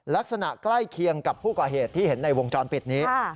ลักษณะใกล้เคียงกับผู้ก่อเหตุที่เห็นในวงจรปิดนี้